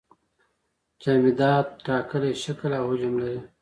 جامدات ټاکلی شکل او حجم لري.